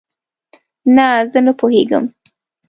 نه، زه نه پوهیږم